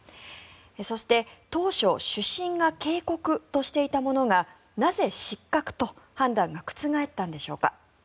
そして、当初主審が警告としていたものがなぜ失格と判断が覆ったんでしょうか。